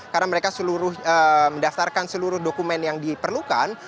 karena mereka seluruh mendaftarkan seluruh dokumen yang diperlukan